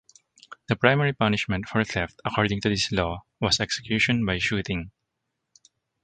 The primary punishment for theft according to this law was execution by shooting.